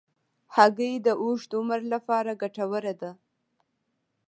هګۍ د اوږد عمر لپاره ګټوره ده.